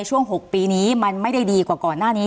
ช่วง๖ปีนี้มันไม่ได้ดีกว่าก่อนหน้านี้